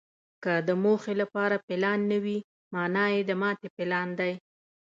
که د موخې لپاره پلان نه وي، مانا یې د ماتې پلان دی.